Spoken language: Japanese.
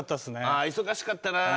あ忙しかったな。